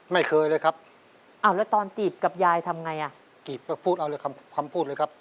ไม่เคยเลยครับอ้าวแล้วตอนจีบกับยายทำไงอ่ะจีบพูดเอาเลยคำคำพูดเลยครับ